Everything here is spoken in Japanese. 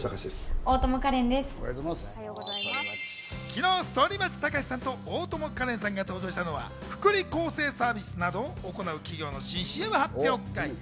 昨日、反町隆史さんと大友花恋さんが登場したのは、福利厚生サービスなどを行う企業の新ＣＭ発表会。